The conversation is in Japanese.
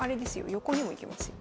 横にも行けますよ。